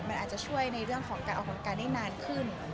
มันอาจจะช่วยในเรื่องของการออกของการได้นานขึ้น